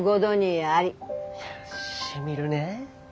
しみるねえ。